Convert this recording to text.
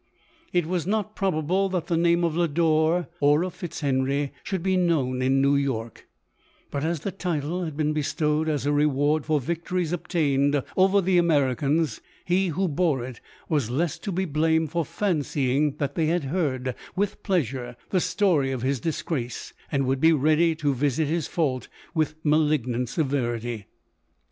It was not probable that the name of Lodore, or of Eitzhenry, should be known in New York ; but as the title had been bestowed as a reward for victories obtained over the Americans, he who bore it was less to be blamed for fancying that they had heard with pleasure the story of his disgrace, and would be ready to visit his fault with malignant severity.